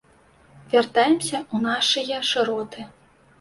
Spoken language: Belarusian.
Вяртаемся ў нашыя шыроты.